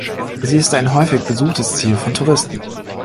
Sie ist ein häufig besuchtes Ziel von Touristen.